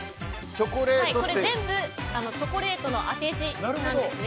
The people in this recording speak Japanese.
全部チョコレートの当て字です。